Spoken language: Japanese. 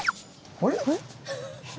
あれ？